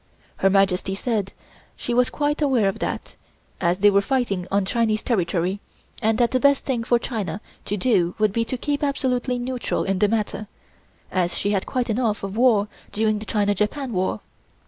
Her Majesty said she was quite aware of that, as they were fighting on Chinese territory, and that the best thing for China to do would be to keep absolutely neutral in the matter, as she had quite enough of war during the China Japan war.